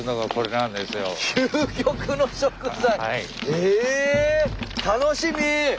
ええ楽しみ！